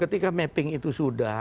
ketika mapping itu sudah